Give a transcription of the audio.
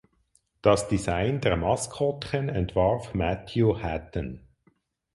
Das Design der Maskottchen entwarf Matthew Hatton.